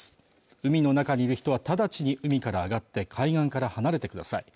海の中にいる人は直ちに海から上がって海岸から離れてください